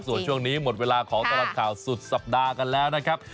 ส่วนช่วงนี้หมดเวลาของตลอดข่าวสุดสัปดาห์กันแล้วนะครับ